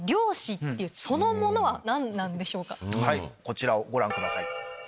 こちらをご覧ください。